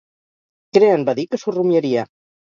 Crean va dir que s'ho rumiaria.